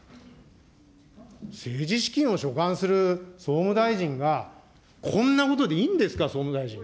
政治資金を所管する総務大臣が、こんなことでいいんですか、総務大臣。